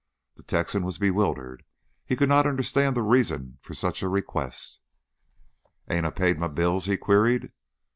The Texan was bewildered; he could not understand the reason for such a request. "'Ain't I paid my bills?" he queried.